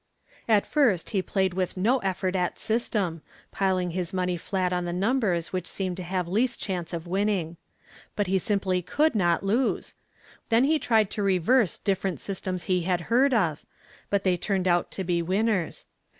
At first he played with no effort at system, piling his money flat on the numbers which seemed to have least chance of winning. But he simply could not lose. Then he tried to reverse different systems he had heard of, but they turned out to be winners.